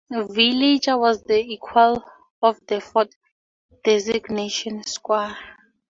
Villager was the equal of the Ford designation "Squire".